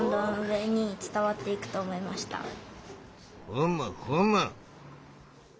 ふむふむ。